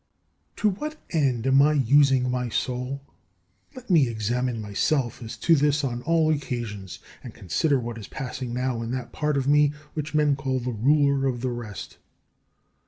11. To what end am I using my soul? Let me examine myself as to this on all occasions, and consider what is passing now in that part of me which men call the ruler of the rest.